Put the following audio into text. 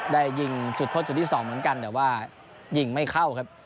ได้ยิงจุดโทษจุดที่สองเหมือนกันแต่ว่ายิงไม่เข้าครับ